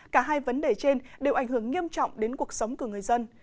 cả hai vấn đề trên đều ảnh hưởng nghiêm trọng đến cuộc sống của người dân